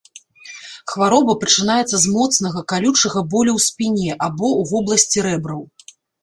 Хвароба пачынаецца з моцнага, калючага болю ў спіне, або ў вобласці рэбраў.